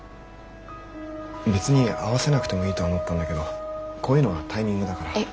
別に合わせなくてもいいとは思ったんだけどこういうのはタイミングだから。